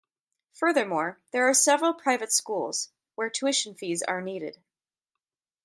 Furthermore, there are several private schools, where tuition fees are needed.